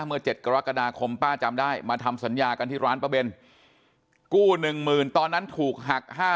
เมื่อ๗กรกฎาคมป้าจำได้มาทำสัญญากันที่ร้านป้าเบนกู้๑๐๐๐ตอนนั้นถูกหัก๕๐๐